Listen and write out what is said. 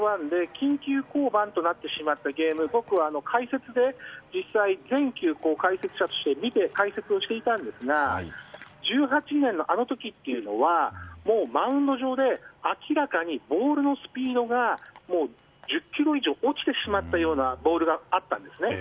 緊急降板となってしまったゲーム解説で実際に全球解説者として見ていたんですが１８年のけがをした時というのはマウンド上で明らかにボールのスピードが１０キロ以上落ちてしまったようなボールがあったんですね。